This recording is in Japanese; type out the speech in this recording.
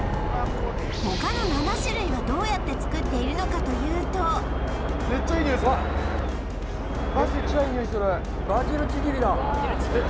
他の７種類はどうやって作っているのかというとうわめっちゃいい匂いするえっ